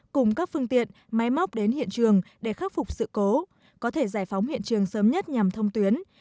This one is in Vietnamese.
cùng các phương tiện máy móc đến hiện trường để khắc phục sự cố có thể giải phóng hiện trường sớm nhất nhằm thông tuyến